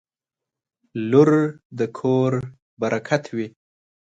• لور د کور برکت وي.